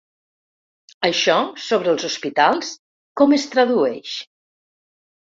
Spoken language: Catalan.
Això, sobre els hospitals, com es tradueix?